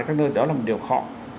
các nơi đó là một điều khó